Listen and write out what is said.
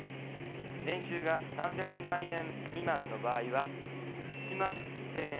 年収が３００万円未満の場合は１万２，０００円余り。